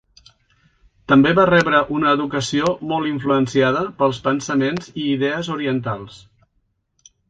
També va rebre una educació molt influenciada pels pensaments i idees orientals.